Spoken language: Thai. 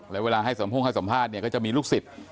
และเวลาให้สมพุทธให้สัมภาษณ์ก็จะมีลูกศิษย์